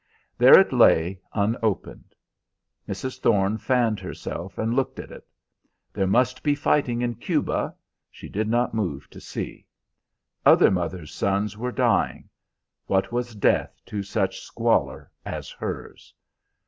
There it lay unopened. Mrs. Thorne fanned herself and looked at it. There must be fighting in Cuba; she did not move to see. Other mothers' sons were dying; what was death to such squalor as hers?